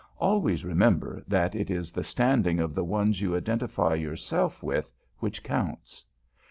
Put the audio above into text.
Always remember, that it is the standing of the ones you identify yourself with which counts.